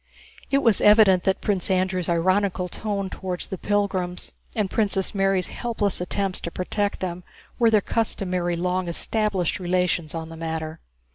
It was evident that Prince Andrew's ironical tone toward the pilgrims and Princess Mary's helpless attempts to protect them were their customary long established relations on the matter.